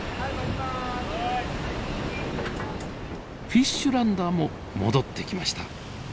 フィッシュランダーも戻ってきました。